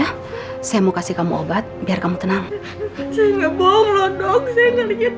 kamu jangan khawatir kita akan kasih pengamanan nggak akan ada yang bisa masuk